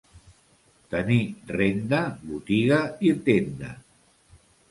Tenir renda, botiga i tenda.